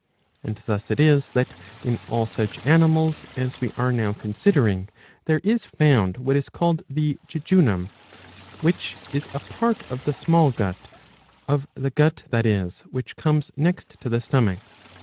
And thus it is that, in all such animals as we are now considering, there is found <vhat is called the jejunum f^ which is a part of the small » gut, of the gut, that is, which comes next to the stomach.